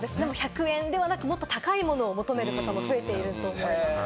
１００円ではなく、もっと高いものを求めている方も増えているそうです。